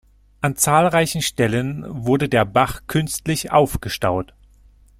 An zahlreichen Stellen wurde der Bach künstlich aufgestaut.